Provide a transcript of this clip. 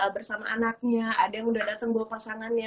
bersama anaknya ada yang udah datang bawa pasangannya